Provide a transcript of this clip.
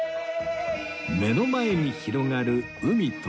目の前に広がる海と夕日